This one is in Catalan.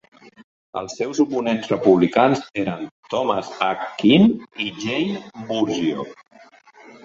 Els seus oponents republicans eren Thomas H. Kean i Jane Burgio.